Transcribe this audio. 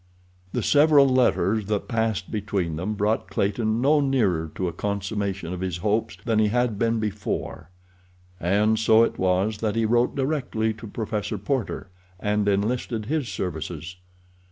The several letters that passed between them brought Clayton no nearer to a consummation of his hopes than he had been before, and so it was that he wrote directly to Professor Porter, and enlisted his services.